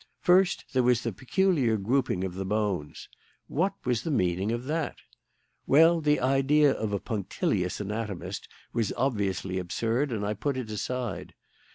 First, there was the peculiar grouping of the bones. What was the meaning of that? Well, the idea of a punctilious anatomist was obviously absurd, and I put it aside.